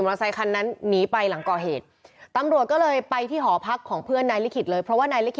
ว่าไม่มีผัวใหม่หรอเขาก็พูดอยู่อย่างนี้